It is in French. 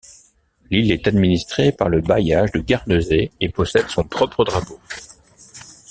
L'île est administrée par le bailliage de Guernesey et possède son propre drapeau.